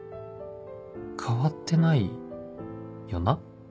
変わってないよな？